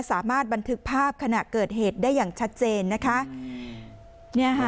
สามารถบันทึกภาพขณะเกิดเหตุได้อย่างชัดเจนนะคะ